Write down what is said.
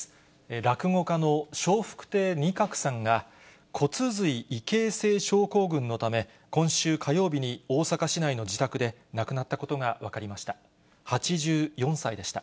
落語家の笑福亭仁鶴さんが、骨髄異形成症候群のため、今週火曜日に大阪市内の自宅で亡くなったことが分かりました。